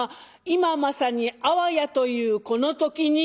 今まさにあわやというこの時に。